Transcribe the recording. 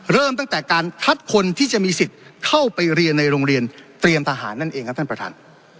เริ่มตั้งแต่การคัดคนที่จะมีสิทธิ์เข้าไปเรียนในโรงเรียนเตรียมทหารนั่นเองครับท่านประธาน